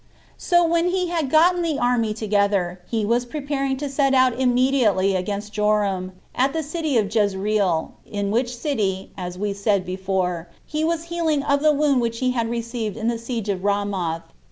So when he had gotten the army together, he was preparing to set out immediately against Joram, at the city Jezreel, in which city, as we said before, he was healing of the wound which he had received in the siege of Ramoth.